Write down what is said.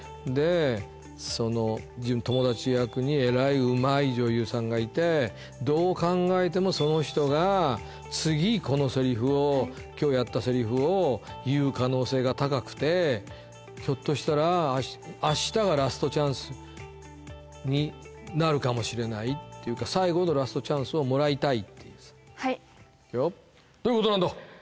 もう随分前からもらっててどう考えてもその人が次このセリフを今日やったセリフを言う可能性が高くてひょっとしたらになるかもしれないっていうか最後のラストチャンスをもらいたいっていうさいくよどういうことなんだ！